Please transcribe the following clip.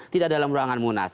tidak dalam ruangan munas